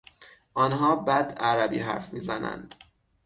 آنها بد عربی حرف میزنند.